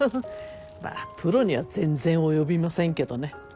まあプロには全然及びませんけどね。